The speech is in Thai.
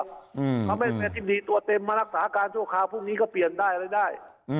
เขาไม่เป็นอธิบดีตัวเต็มมารักษาการชั่วคราวพรุ่งนี้ก็เปลี่ยนได้อะไรได้